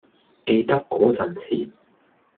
記得嗰陣時